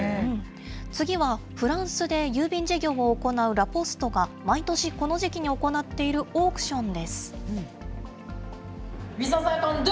次はフランスで郵便事業を行うラ・ポストが、毎年この時期に行っているオークションです。